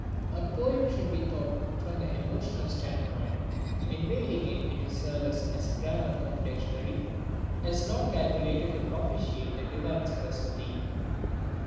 A poem should be taught from the emotional standpoint; inveigling it into service as grammar cum dictionary is not calculated to propitiate the divine Saraswati.